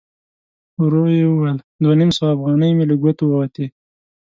ورو يې وویل: دوه نيم سوه اوغانۍ مې له ګوتو ووتې!